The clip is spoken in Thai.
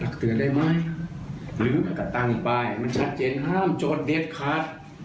ตัดเตือนได้ไหมหรือตัดต่างไปมันชัดเจนห้ามโจทย์เด็ดคาร์ด